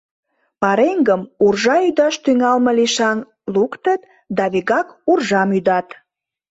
Пареҥгым уржа ӱдаш тӱҥалме лишан луктыт да вигак уржам ӱдат.